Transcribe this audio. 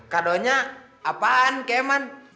kado nya apaan keman